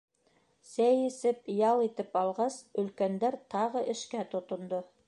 Сәй эсеп, ял итеп алғас, өлкәндәр тағы эшкә тотондо.